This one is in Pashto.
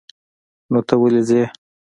نو ته ولې ځې؟